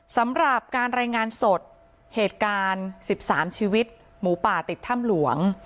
สำหรับการรายงานสดเหตุการณ์๑๓ชีวิตหมูป่าติดถ้ำหลวง